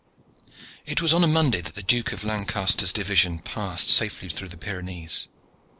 It was on a Monday that the Duke of Lancaster's division passed safely through the Pyrenees.